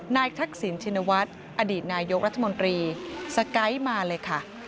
ทักษิณชินวัฒน์อดีตนายกรัฐมนตรีสไกด์มาเลยค่ะ